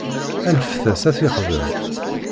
Anfet-as ad t-yexdem.